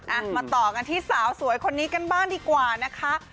อ่ะมาต่อกันที่สาวสวยคนนี้กันบ้างดีกว่านะคะ